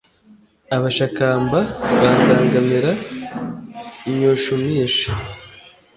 Abashakamba bandangamira nywushumisha.